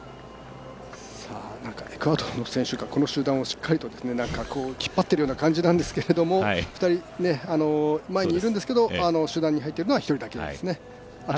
エクアドルの選手がこの集団を引っ張ってるような感じなんですけれども２人、前にいるんですけど集団に入っているのは１人だけですね。